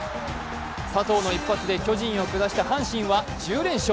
佐藤の一発で巨人を下した阪神は１０連勝。